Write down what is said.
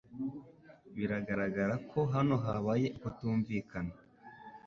Biragaragara ko hano habaye ukutumvikana.